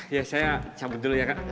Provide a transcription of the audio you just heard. ya saya cabut dulu ya kak